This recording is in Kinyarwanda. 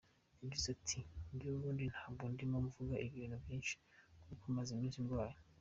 Yagize ati “Njyewe ubundi ntabwo ndimo mvuga ibintu byinshi kuko maze iminsi ndwaye.